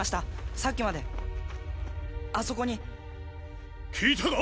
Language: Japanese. さっきまであそこに聞いたか？